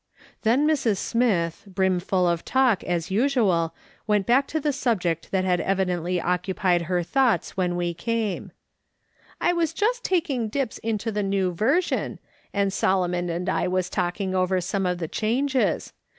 Then j\Irs. Smith, brimful of talk, as usual, went back to the subject that had evidently occupied her thoughts when we came : "I was just taking dips into the New Version, and Solomon and I was talking over some of the changes.